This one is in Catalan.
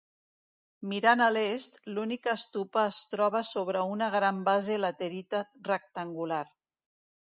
Mirant a l'est, l'única estupa es troba sobre una gran base laterita rectangular.